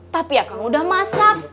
tapi akan udah masak